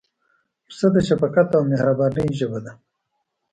پسه د شفقت او مهربانۍ ژبه ده.